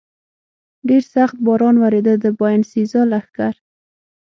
ډېر سخت باران ورېده، د باینسېزا لښکر.